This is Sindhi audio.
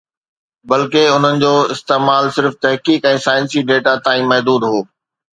بلڪه، ان جو استعمال صرف تحقيق ۽ سائنسي ڊيٽا تائين محدود هو